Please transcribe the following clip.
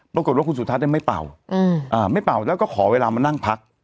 ปรากฏว่าคุณสุทัศน์ไม่เป่าไม่เป่าแล้วก็ขอเวลามานั่งพัก